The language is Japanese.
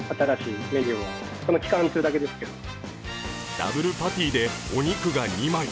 ダブルパティでお肉が２枚。